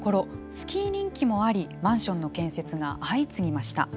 スキー人気もありマンションの建設が相次ぎました。